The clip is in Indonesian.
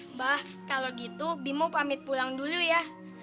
mbak kalau gitu bimo pamit pulang dulu ya